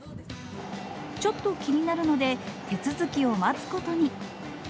ちょっと気になるので、手続きを待つことに。